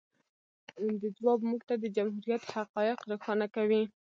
د ځواب موږ ته د جمهوریت حقایق روښانه کوي.